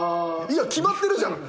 いや決まってるじゃん。